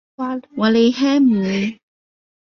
瓦勒海姆。